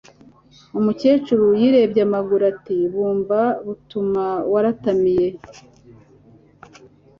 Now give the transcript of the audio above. umukecuru yirebye amaguru ati bumba butama waratamiye